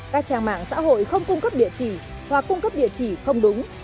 các trang mạng xã hội không cung cấp địa chỉ hoặc cung cấp địa chỉ không đúng